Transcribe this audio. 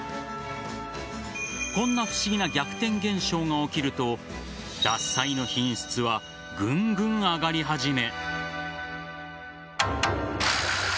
こんな不思議な逆転現象が起きると獺祭の品質はぐんぐん上がり始め。